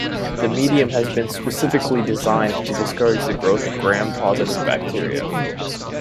This medium has been specifically designed to discourage the growth of gram positive bacteria.